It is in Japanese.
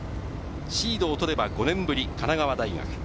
シードを取れば５年ぶり、神奈川大学。